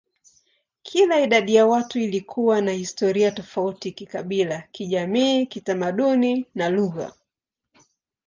Kila idadi ya watu ilikuwa na historia tofauti kikabila, kijamii, kitamaduni, na lugha.